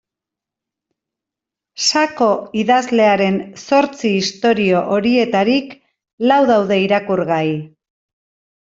Sako idazlearen zortzi istorio horietarik lau daude irakurgai.